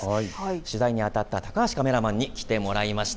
取材にあたった高橋カメラマンに来てもらいました。